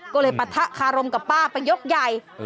ก็เลยปะทะคารมกับป้าไปยกใหญ่